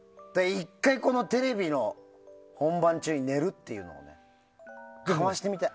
１回テレビの本番中に寝るっていうのをかましてみたい。